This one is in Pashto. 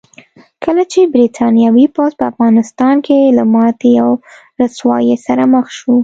کله چې برتانوي پوځ په افغانستان کې له ماتې او رسوایۍ سره مخ شو.